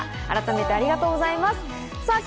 改めてありがとうございます。